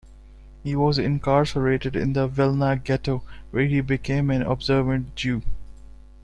He was incarcerated in the Vilna Ghetto where he became an observant Jew.